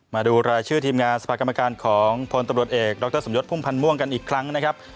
มาดูรายชื่อทีมงานสภากรรมการของพลตำรวจเอกดรสมยศพุ่มพันธ์ม่วงกันอีกครั้งนะครับ